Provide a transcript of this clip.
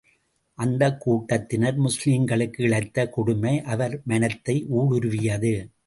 அந்தக் கூட்டத்தினர், முஸ்லிம்களுக்கு இழைத்த கொடுமை அவர் மனத்தை ஊடுருவியது.